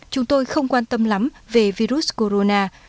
chúng tôi không quan tâm lắm về virus corona